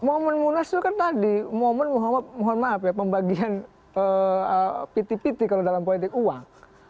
momen munas itu kan tadi momen muhammad mohon maaf ya pembagian piti piti kalau dalam politik uang